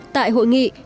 tại hội nghị một mươi